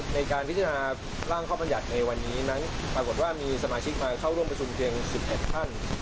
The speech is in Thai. ในการพิจารณาร่างข้อบรรยัติในวันนี้นั้นปรากฏว่ามีสมาชิกมาเข้าร่วมประชุมเพียง๑๑ท่าน